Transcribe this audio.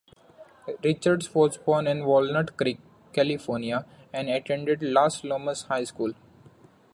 Richards was born in Walnut Creek, California and attended Las Lomas High School.